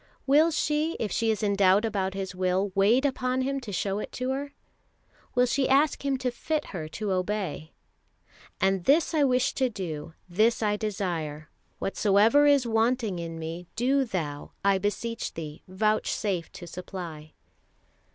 Will she, if she is in doubt about His will, wait upon Him to show it to her? Will she ask Him to fit her to obey? "And this I wish to do, this I desire; whatsoever is wanting in me, do Thou, I beseech Thee, vouchsafe to supply."